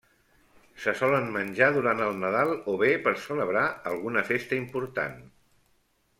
Se solen menjar durant el Nadal o bé per celebrar alguna festa important.